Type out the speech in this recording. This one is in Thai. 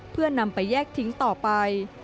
เพื่อนำไปแยกทิ้งต่อไป